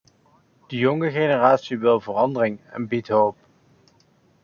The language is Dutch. De jonge generatie wil verandering en biedt hoop.